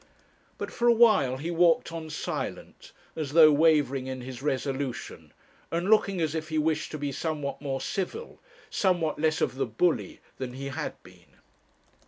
But for a while he walked on silent, as though wavering in his resolution, and looking as if he wished to be somewhat more civil, somewhat less of the bully, than he had been.